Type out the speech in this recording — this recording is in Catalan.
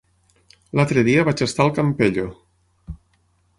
L'altre dia vaig estar al Campello.